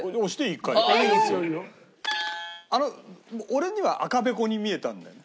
俺には赤べこに見えたんだよ。